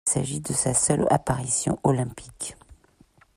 Il s'agit de sa seule apparition olympique.